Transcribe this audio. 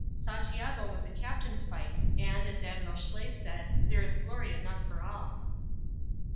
"Santiago was a captains' fight," and, as Admiral Schley said: "There is glory enough for all."